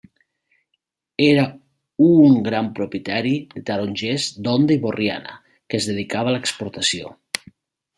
Era un gran propietari de tarongers d'Onda i Borriana que es dedicava a l'exportació.